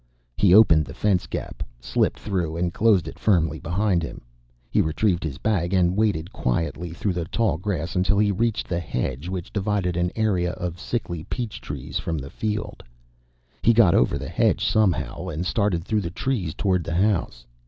He opened the fence gap, slipped through, and closed it firmly behind him. He retrieved his bag, and waded quietly through the tall grass until he reached the hedge which divided an area of sickly peach trees from the field. He got over the hedge somehow, and started through the trees toward the house.